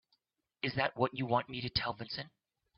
Is that what you want me to tell Vincent?